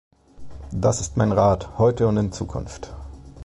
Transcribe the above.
Das ist mein Rat heute und in Zukunft.